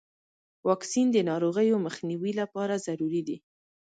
واکسین د ناروغیو مخنیوي لپاره ضروري دی.